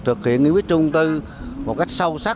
thực hiện nguyên quyết trung tư một cách sâu sắc